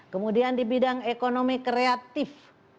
kemudian di bidang ekonomi kreatif